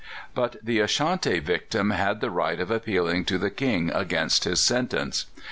But the Ashanti victim had the right of appealing to the King against his sentence.